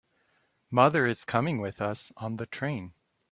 Mother is coming with us on the train.